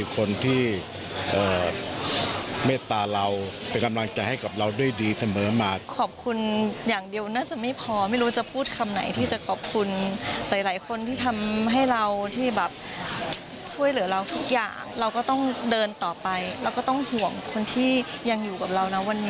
คนที่ยังอยู่กับเรานะวันนี้อะไรอย่างนี้ค่ะ